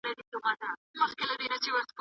ځینې استادان خپله څېړونکي نه دي.